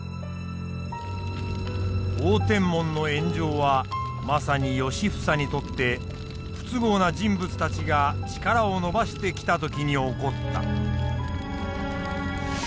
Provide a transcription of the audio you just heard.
応天門の炎上はまさに良房にとって不都合な人物たちが力を伸ばしてきた時に起こった。